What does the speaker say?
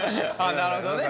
なるほどね。